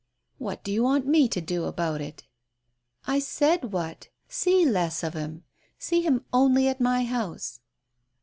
" What do you want me to do about it ?" "I said what. See less of him. See him only at my house."